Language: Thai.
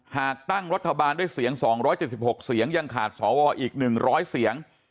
หากตั้งรัฐบาลด้วยเสียง๒๗๖เสียงยังขาดสวอีก๑๐๐เสียง